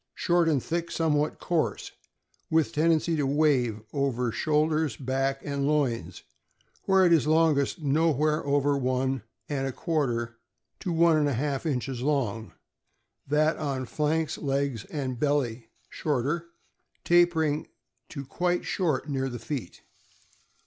— Short and thick, somewhat coarse, with tendency to wave over shoulders, back, and loins, where it is longest— nowhere over one and a quarter to one and a half inches long; that on flanks, legs, and belly shorter, tapering to quite short near the feet.